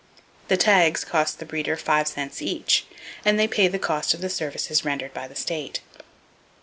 The tags cost the breeder five cents each, and they pay the cost of the services rendered by the state.